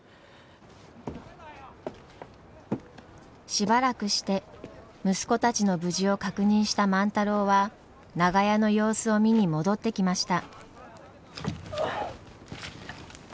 しばらくして息子たちの無事を確認した万太郎は長屋の様子を見に戻ってきました。